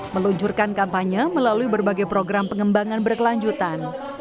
meluncurkan kampanye melalui berbagai program pengembangan berkelanjutan